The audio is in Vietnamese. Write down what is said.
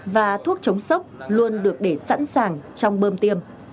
và thuốc chống sốc luôn được để sẵn sàng trong bơm tiêm